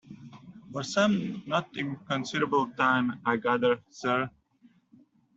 For some not inconsiderable time, I gather, sir.